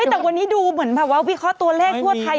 แต่วันนี้ดูเหมือนแบบว่าวิเคราะห์ตัวเลขทั่วไทย